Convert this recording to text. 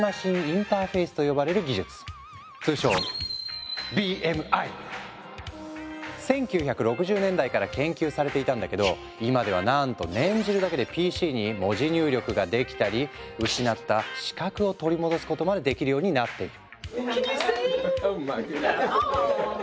通称１９６０年代から研究されていたんだけど今ではなんと念じるだけでＰＣに文字入力ができたり失った視覚を取り戻すことまでできるようになっている。